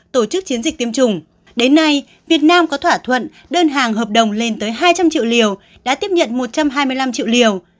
tổ chức chiến dịch tiêm chủng đến nay việt nam có thỏa thuận đơn hàng hợp đồng lên tới hai trăm linh triệu liều đã tiếp nhận một trăm hai mươi năm triệu liều